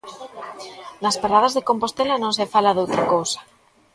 Nas paradas de Compostela non se fala doutra cousa.